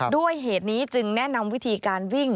ด้วยเหตุนี้จึงแนะนำวิธีการวิ่ง